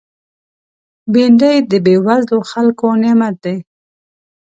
بېنډۍ د بېوزلو خلکو نعمت دی